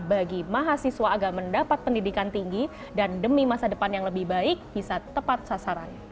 bagi mahasiswa agar mendapat pendidikan tinggi dan demi masa depan yang lebih baik bisa tepat sasarannya